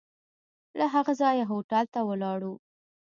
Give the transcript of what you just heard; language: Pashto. له هغه ځایه هوټل ته ولاړو.